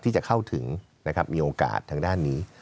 ที่จะเข้าถึงนะครับมีโอกาสทางด้านนี้